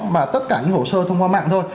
mà tất cả những hồ sơ thông qua mạng thôi